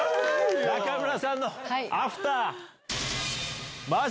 中村さんのアフター。